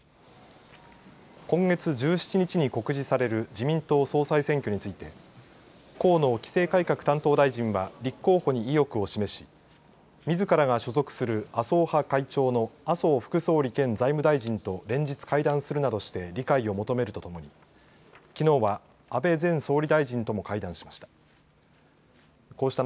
今月１７日に告示される自民党総裁選挙について河野規制改革担当大臣は立候補に意欲を示しみずからが所属する麻生派会長の麻生副総理兼財務大臣と連日会談するなどして理解を求めるとともにきのうは安倍前総理大臣とも会談しました。